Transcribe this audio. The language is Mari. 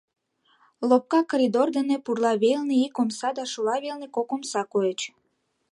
Лопка коридор дене пурла велне ик омса да шола велне кок омса койыч.